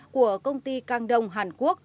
của công ty cang đông hàn quốc